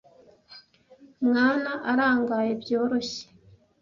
mwana arangaye byoroshye.